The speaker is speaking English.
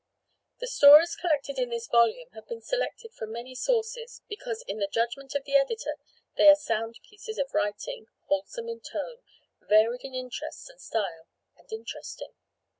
The stories collected in this volume have been selected from many sources, because in the judgment of the editor, they are sound pieces of writing, wholesome in tone, varied in interest and style, and interesting.